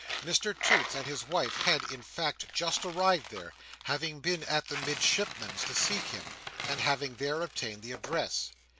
Mr Toots and his wife had, in fact, just arrived there; having been at the Midshipman's to seek him, and having there obtained the address.